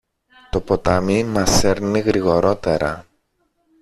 Το ποτάμι μας σέρνει γρηγορώτερα.